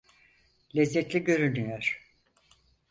Lezzetli görünüyor.